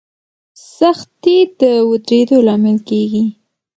سختي د ودرېدو لامل کېږي.